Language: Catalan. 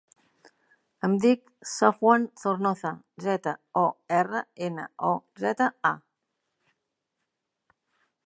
Em dic Safwan Zornoza: zeta, o, erra, ena, o, zeta, a.